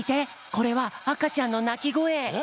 これはあかちゃんのなきごえ。